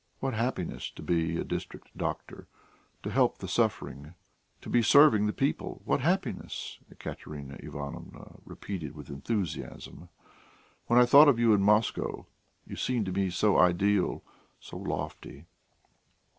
What happiness to be a district doctor; to help the suffering; to be serving the people! What happiness!" Ekaterina Ivanovna repeated with enthusiasm. "When I thought of you in Moscow, you seemed to me so ideal, so lofty...."